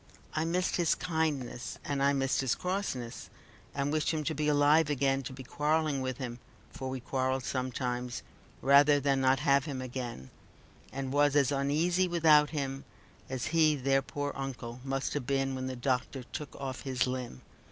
I missed his kindness, and I missed his crossness, and wished him to be alive again, to be quarrelling with him (for we quarreled sometimes), rather than not have him again, and was as uneasy without him, as he their poor uncle must have been when the doctor took off his limb.